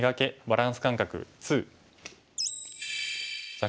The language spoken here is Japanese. バランス感覚２」。